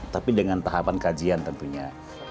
tapi dengan tahapan kajian tentunya